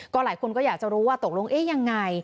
ก็หลายคนก็อยากจะรู้ว่าตกลงอย่างไร